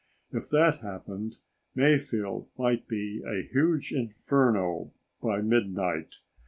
If that happened, Mayfield might be a huge inferno by midnight.